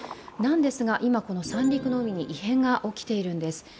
ですが、今三陸の海に異変が起きているんです。